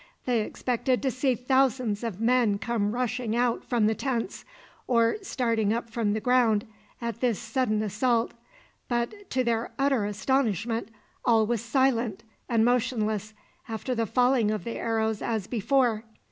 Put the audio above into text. They expected to see thousands of men come rushing out from the tents, or starting up from the ground at this sudden assault, but, to their utter astonishment, all was as silent and motionless after the falling of the arrows as before.